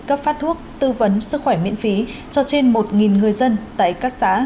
cấp phát thuốc tư vấn sức khỏe miễn phí cho trên một người dân tại các xã